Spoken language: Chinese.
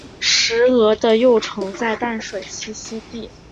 石蛾幼虫在淡水栖息地的所有饲养行会都可以被找到。